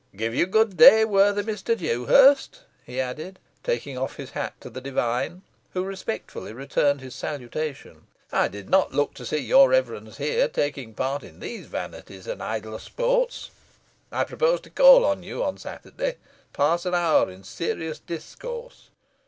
Give you good day, worthy Mr. Dewhurst," he added, taking off his hat to the divine, who respectfully returned his salutation, "I did not look to see your reverence here, taking part in these vanities and idle sports. I propose to call on you on Saturday, and pass an hour in serious discourse.